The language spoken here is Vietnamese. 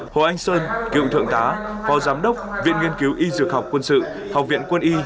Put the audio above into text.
hồ anh sơn cựu thượng tá phó giám đốc viện nghiên cứu y dược học quân sự học viện quân y